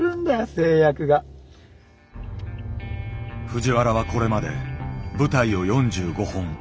藤原はこれまで舞台を４５本。